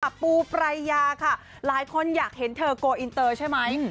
ปูปรายยาค่ะหลายคนอยากเห็นเธอโกอินเตอร์ใช่ไหม